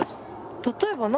例えば何？